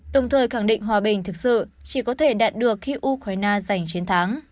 đồng thời khẳng định hòa bình thực sự chỉ có thể đạt được khi ukraine giành chiến thắng